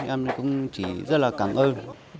em cũng chỉ rất là cảm ơn